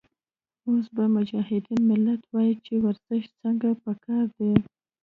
اوس به مجاهد ملت وائي چې ورزش څنګه پکار دے